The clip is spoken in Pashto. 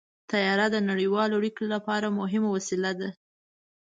طیاره د نړیوالو اړیکو لپاره مهمه وسیله ده.